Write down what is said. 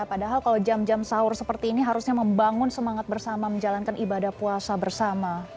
padahal kalau jam jam sahur seperti ini harusnya membangun semangat bersama menjalankan ibadah puasa bersama